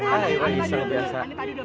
eh lu bisa lu biasa